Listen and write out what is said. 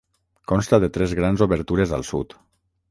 Consta de tres grans obertures al sud.